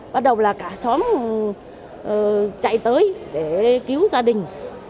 bắt đầu là cả xóm chạy tới để cứu gia đình